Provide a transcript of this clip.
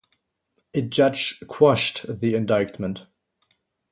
A judge quashed the indictment.